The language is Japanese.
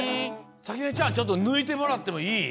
さきねちゃんちょっとぬいてもらってもいい？